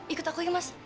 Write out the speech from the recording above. ikut aku yu mas